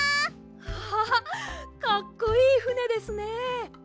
アハハかっこいいふねですね。